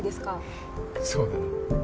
そうだな。